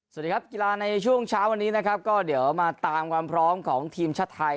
สวัสดีครับกีฬาในช่วงเช้าวันนี้นะครับก็เดี๋ยวมาตามความพร้อมของทีมชาติไทย